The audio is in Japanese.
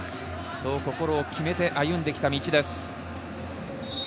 そう心を決めて歩んできた道です。